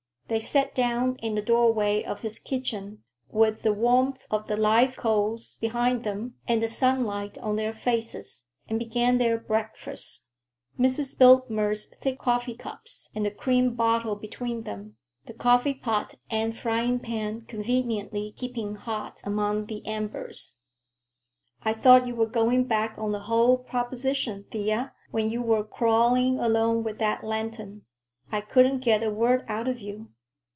They sat down in the doorway of his kitchen, with the warmth of the live coals behind them and the sunlight on their faces, and began their breakfast, Mrs. Biltmer's thick coffee cups and the cream bottle between them, the coffee pot and frying pan conveniently keeping hot among the embers. "I thought you were going back on the whole proposition, Thea, when you were crawling along with that lantern. I couldn't get a word out of you."